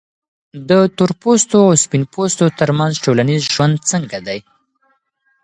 د تورپوستو او سپین پوستو ترمنځ ټولنیز ژوند څنګه دی؟